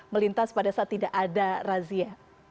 melintas pada saat tidak ada razia